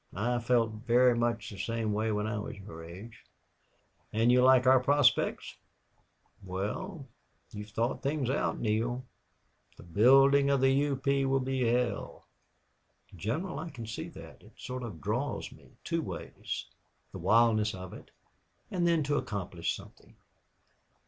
I felt very much the same way when I was your age. And you like our prospects?... Well, you've thought things out. Neale, the building of the U. P. will be hell!" "General, I can see that. It sort of draws me two ways the wildness of it and then to accomplish something."